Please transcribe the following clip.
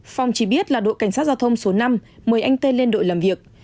phong chỉ biết là đội cảnh sát giao thông số năm mời anh tê lên đội làm việc